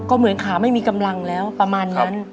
ก็เหมือนขาไม่มีกำลังแล้วประมาณนั้น